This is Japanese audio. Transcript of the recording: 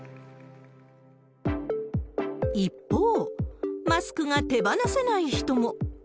一方、マスクが手放せない人も。